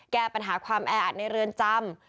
แก้ปัญหาความแออัดในเรือนจำ